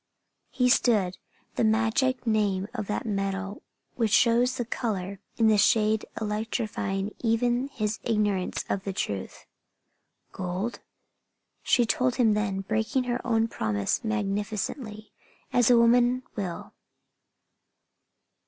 He stood, the magic name of that metal which shows the color in the shade electrifying even his ignorance of the truth. "Gold?" She told him then, breaking her own promise magnificently, as a woman will.